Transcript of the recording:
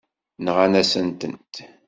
Nɣan-asen-tent.